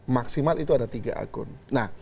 maksimal itu ada tiga akun